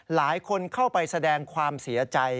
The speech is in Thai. หลายคนเข้าไปแสดงความเสียใจ